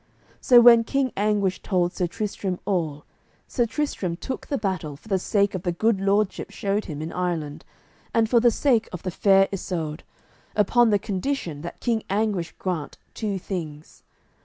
So when King Anguish told Sir Tristram all, Sir Tristram took the battle for the sake of the good lordship showed him in Ireland, and for the sake of the Fair Isoud, upon the condition that King Anguish grant two things.